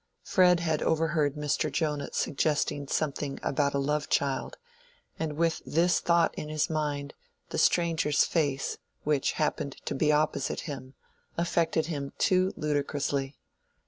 Fred had overheard Mr. Jonah suggesting something about a "love child," and with this thought in his mind, the stranger's face, which happened to be opposite him, affected him too ludicrously.